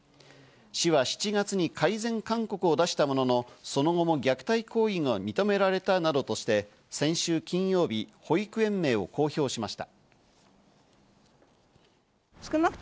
市は７月に改善勧告を出したものの、その後も虐待行為が認められたなどとして、先週金曜日、保育園名を公表しました。